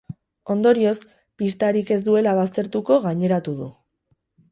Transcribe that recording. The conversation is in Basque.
Ondorioz, pistarik ez duela baztertuko gaineratu du.